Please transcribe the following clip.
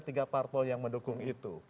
tiga parpol yang mendukung itu